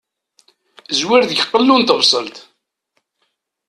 Zwir deg qellu n tebṣelt.